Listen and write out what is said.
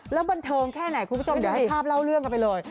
แล้วบันเทิงแค่ไหนคุณผู้ชมเดี๋ยวให้ภาพเล่าเรื่องกันไปเลย